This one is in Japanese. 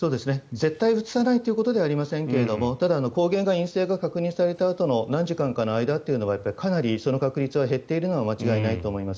絶対うつさないということではありませんが、陰性か確認されたあとの何時間かの間というのはかなりその確率が減っているのは間違いないと思います。